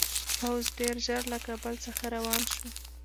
پوځ ډېر ژر له کابل څخه روان شو.